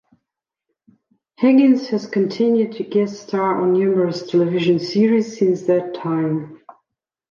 Higgins has continued to guest star on numerous television series since that time.